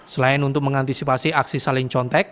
selain untuk mengantisipasi aksi saling contek